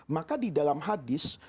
maka di dalam hadis